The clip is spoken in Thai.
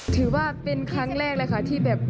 ถือว่าเป็นครั้งแรกเลยค่ะที่แบบ